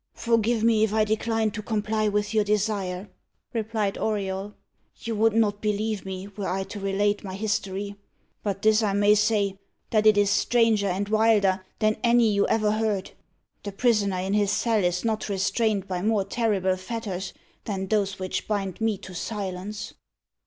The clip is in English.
"Forgive me if I decline to comply with your desire," replied Auriol. "You would not believe me, were I to relate my history. But this I may say, that it is stranger and wilder than any you ever heard. The prisoner in his cell is not restrained by more terrible fetters than those which bind me to silence."